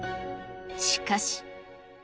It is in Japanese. しかし。